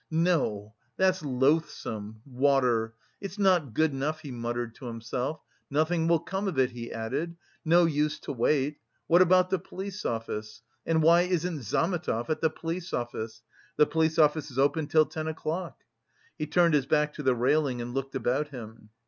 "No, that's loathsome... water... it's not good enough," he muttered to himself. "Nothing will come of it," he added, "no use to wait. What about the police office...? And why isn't Zametov at the police office? The police office is open till ten o'clock...." He turned his back to the railing and looked about him.